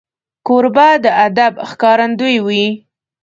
کوربه د ادب ښکارندوی وي.